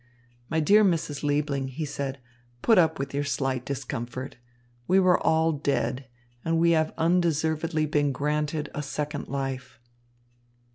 "My dear Mrs. Liebling," he said, "put up with your slight discomfort. We were all dead, and we have undeservedly been granted a second life."